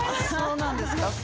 そうなんですか。